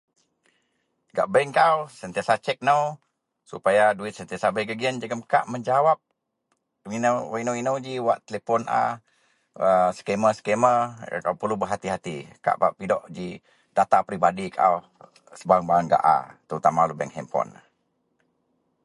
Gak bank kou sentiasa check nou supaya duit sentiasa bei gak gian ka menjawab wak inou-inou ji wak telefon a scammer-scammer kaau perlu berhati-hati ka ji kaau pidok data peribadi kaau gak a terutama dagen handphone.